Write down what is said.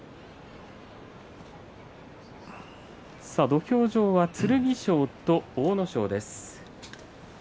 土俵上は剣翔と阿武咲です。